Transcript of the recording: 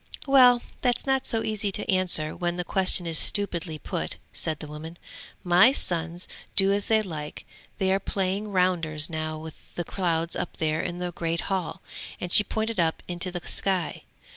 'Well that's not so easy to answer when the question is stupidly put,' said the woman. 'My sons do as they like; they are playing rounders now with the clouds up there in the great hall,' and she pointed up into the sky.